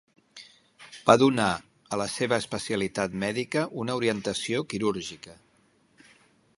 Va donar a la seva especialitat mèdica una orientació quirúrgica.